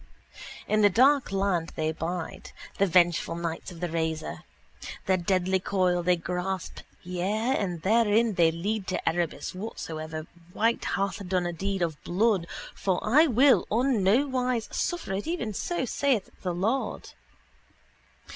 In the dark land they bide, the vengeful knights of the razor. Their deadly coil they grasp: yea, and therein they lead to Erebus whatsoever wight hath done a deed of blood for I will on nowise suffer it even so saith the Lord.